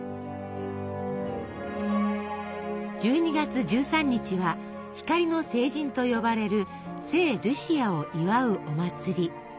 １２月１３日は「光の聖人」と呼ばれる聖ルシアを祝うお祭り。